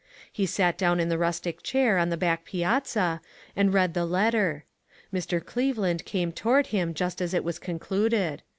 He sat down in the rustic chair on the back piazza, and read the letter. Mr. Cleveland came toward him just as it was concluded.